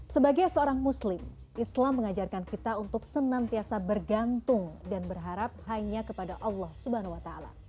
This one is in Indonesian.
sebagai seorang muslim islam mengajarkan kita untuk senantiasa bergantung dan berharap hanya kepada allah swt